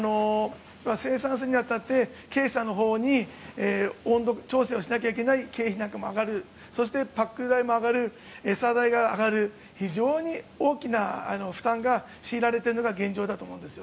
生産するにあたって検査のほうに温度調整をしなきゃいけない経費なんかも上がるそして、パック代も上がる餌代が上がる非常に大きな負担が強いられているのが現状だと思うんです。